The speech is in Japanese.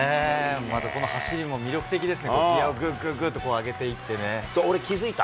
また、この走りも魅力的ですね、ギアをぐっぐっぐっと上げていっそう、俺気付いた。